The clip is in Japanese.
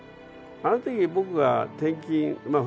あの時僕が転勤まあ